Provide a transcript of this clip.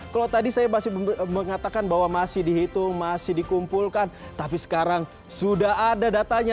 kalau tadi saya masih mengatakan bahwa masih dihitung masih dikumpulkan tapi sekarang sudah ada datanya